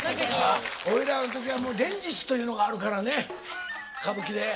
俺らの時は連獅子というのがあるからね歌舞伎で。